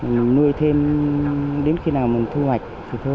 mình nuôi thêm đến khi nào mình thu hoạch